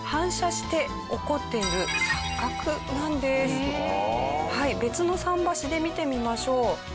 実は別の桟橋で見てみましょう。